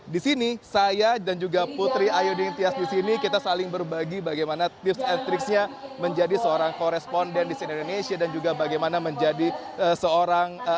di sini saya dan juga putri ayudin tias di sini kita saling berbagi bagaimana tips and tricks nya menjadi seorang koresponden di sini indonesia dan juga bagaimana menjadi seorang